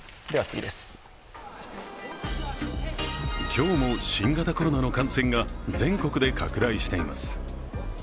今日も新型コロナの感染が全国で拡大しています。